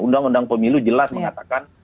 undang undang pemilu jelas mengatakan